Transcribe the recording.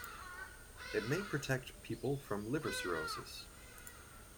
It may protect people from liver cirrhosis.